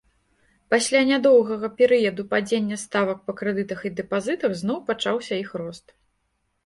Пасля нядоўгага перыяду падзення ставак па крэдытах і дэпазітах зноў пачаўся іх рост.